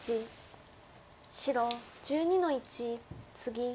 白１２の一ツギ。